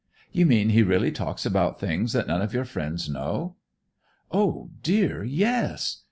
"You mean he really talks about things that none of your friends know?" "Oh, dear, yes!